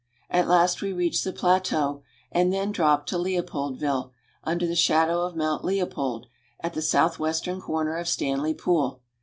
At last reach the plateau and then drop to Leopoldville, under the shadow of Mount Leopold (le'o pold), at the southwestern corner of Stanley Pool.